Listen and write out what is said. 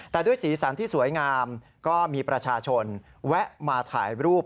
แต่ด้วยสีสันที่สวยงามก็มีประชาชนแวะมาถ่ายรูป